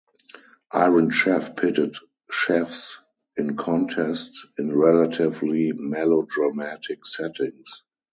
Iron Chef pitted chefs in contest, in relatively melodramatic settings.